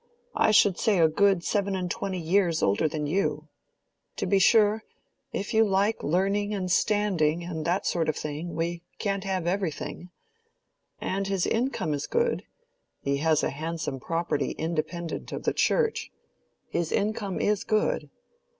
I should say a good seven and twenty years older than you. To be sure,—if you like learning and standing, and that sort of thing, we can't have everything. And his income is good—he has a handsome property independent of the Church—his income is good.